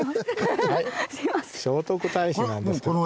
はい聖徳太子なんですけど。